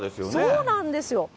そうなんですよ。